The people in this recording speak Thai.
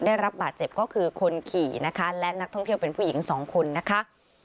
ได้รับบาดเจ็บก็คือคนขี่นะคะและนักท่องเที่ยวเป็นผู้หญิงสองคนนะคะ